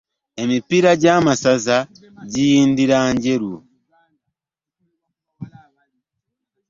Emipiira gya masaza giyindira njeru.